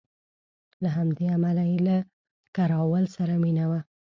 له همدې امله یې له کراول سره مینه وه.